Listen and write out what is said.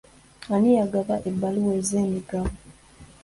Ani agaba ebbaluwa z'emigabo?